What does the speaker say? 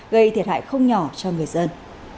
gây thiệt hại không nhỏ cho người dân